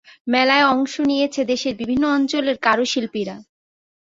মেলায় অংশ নিয়েছে দেশের বিভিন্ন অঞ্চলের কারুশিল্পীরা।